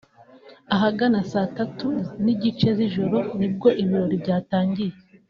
Ahagana saa tatu n’igice z’ijoro nibwo ibirori byatangiye